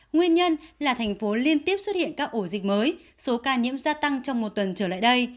nguyên nhân là thành phố liên tiếp xuất hiện các ổ dịch mới số ca nhiễm gia tăng trong một tuần trở lại đây